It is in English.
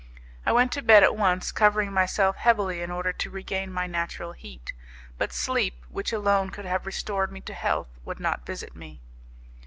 I went to bed at once, covering myself heavily in order to regain my natural heat, but sleep, which alone could have restored me to health, would not visit me.